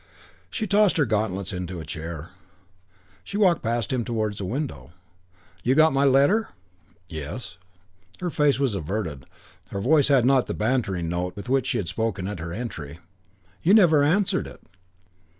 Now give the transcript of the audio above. She tossed her gauntlets on to a chair. She walked past him towards the window. "You got my letter?" "Yes." Her face was averted. Her voice had not the bantering note with which she had spoken at her entry. "You never answered it."